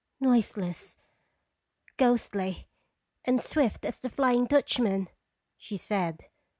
" Noiseless, ghostly, and swift as the ' Fly ing Dutchman/ " she said.